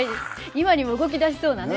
今にも動き出しそうなね